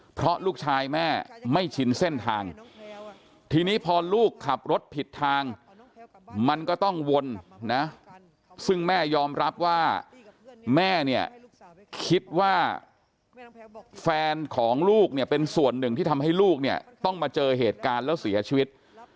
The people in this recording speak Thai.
เพราะลูกชายแม่ไม่ชินเส้นทางทีนี้พอลูกขับรถผิดทางมันก็ต้องวนนะซึ่งแม่ยอมรับว่าแม่เนี่ยคิดว่าแฟนของลูกเนี่ยเป็นส่วนหนึ่งที่ทำให้ลูกเนี่ยต้องมาเจอเหตุการณ์แล้วเสียชีวิต